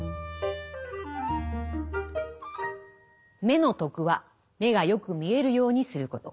目の徳は目がよく見えるようにすること。